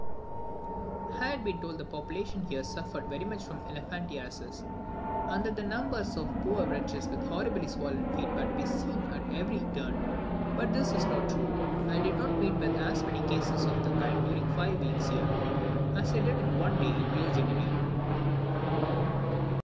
I had been told that the population here suffered very much from elephantiasis, and that numbers of poor wretches with horribly swollen feet were to be seen at almost every turn. But this is not true. I did not meet with as many cases of the kind during five weeks here, as I did in one day in Rio Janeiro.